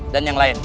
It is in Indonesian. dan yang lainnya